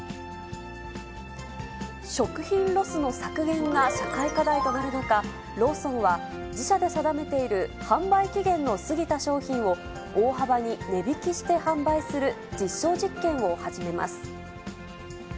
食品ロスの削減が社会課題となる中、ローソンは自社で定めている販売期限の過ぎた商品を、大幅に値引きして販売する実証実験を始めます。